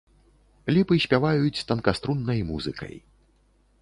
Ліпы спяваюць танкаструннай музыкай.